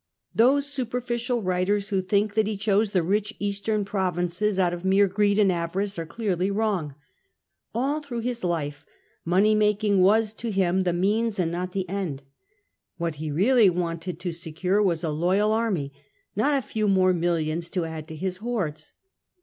Those superficial writers who think that he chose the rich Eastern provinces out of mere greed and avarice are clearly wrong. All through his life money making was to him the means and not the end. What he really wanted to secure was a loyal army, not a few more millions to add to his hoards.